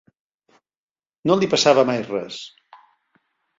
No li passava mai res